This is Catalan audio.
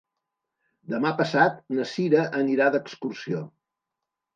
Demà passat na Cira anirà d'excursió.